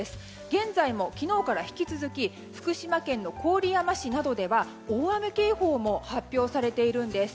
現在も昨日から引き続き福島県の郡山市などでは大雨警報も発表されているんです。